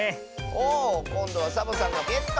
おおこんどはサボさんがゲット！